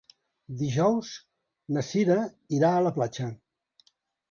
Dijous na Cira irà a la platja.